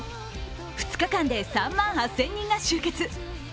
２日間で３万８０００人が集結。